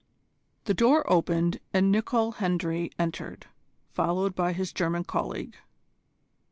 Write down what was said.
The door opened and Nicol Hendry entered, followed by his German colleague.